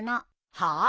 はあ？